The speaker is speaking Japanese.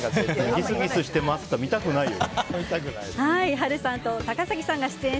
ギスギスしてますって言ってたら見たくないよ。